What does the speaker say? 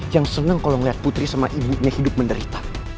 yang senang kalau melihat putri sama ibunya hidup menderita